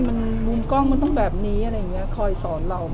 มันมุมกล้องมันต้องแบบนี้อะไรอย่างนี้คอยสอนเรา